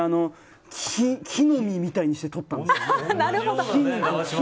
木の実みたいにして撮ったんです。